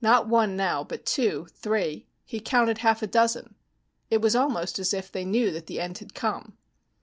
Not one now, but two, three he counted half a dozen. It was almost as if they knew that the end had come.